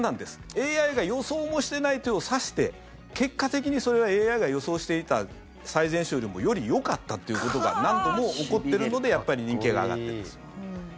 ＡＩが予想もしてない手を指して結果的にそれがＡＩが予想していた最善手よりもよりよかったということが何度も起こってるので人気が上がっているんですよ。